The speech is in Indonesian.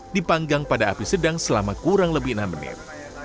dipanggang pada api sedang selama kurang lebih enam menit